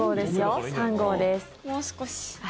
もう少し。